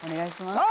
さあ